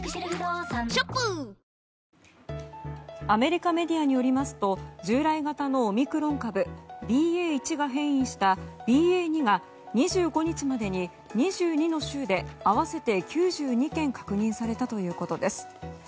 アメリカメディアによりますと従来型のオミクロン株ＢＡ．１が変異したＢＡ．２が２５日までに２２の州で合わせて９２件確認されたということです。